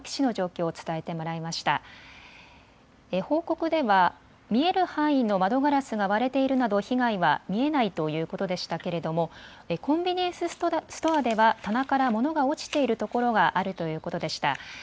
報告では見える範囲の窓ガラスが割れているなど被害は見えないということでしたけれどもコンビニエンスストアでは棚から物が落ちているところがあるということでした。